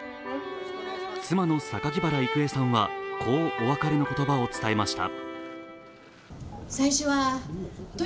妻の榊原郁恵さんは、こうお別れの言葉を伝えました。